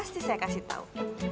pasti saya kasih tahu